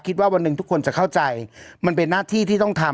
วันหนึ่งทุกคนจะเข้าใจมันเป็นหน้าที่ที่ต้องทำ